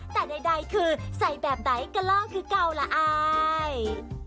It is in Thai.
แต่ใดคือใส่แบบไหนก็เล่าคือเก่าล่ะไอ้